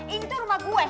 ini tuh rumah gue